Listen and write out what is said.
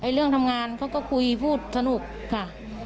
เรื่องทำงานเขาก็คุยพูดสนุกค่ะ